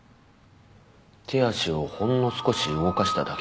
手足をほんの少し動かしただけでした。